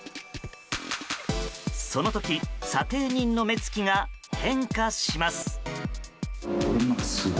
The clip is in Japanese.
その時査定人の目つきが変化します。